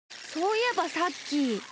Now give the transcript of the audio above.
そういえばさっき。